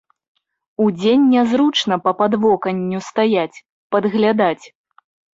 Удзень нязручна па падвоканню стаяць, падглядаць.